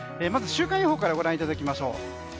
まず週間予報からご覧いただきましょう。